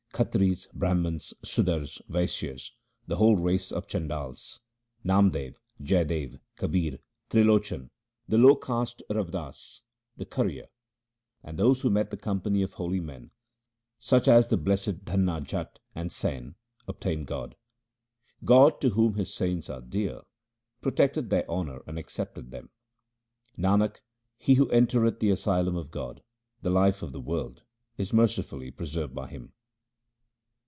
Khatris, Brahmans, Sudars, Vaisyas, the whole race of Chandals, Namdev, Jaidev, Kabir, Trilochan, the low caste Rav Das, the currier, And those who met the company of holy men, such as the blessed Dhanna Jat and Sain, obtained God. God, to whom His saints are dear, protecteth their honour and accepteth them. Nanak, he who entereth the asylum of God, the life of the world, is mercifully preserved by Him.